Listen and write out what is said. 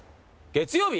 月曜日⁉